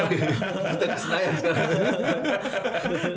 udah tersenayan sekarang